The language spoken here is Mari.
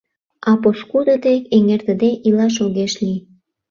А пошкудо дек эҥертыде илаш огеш лий.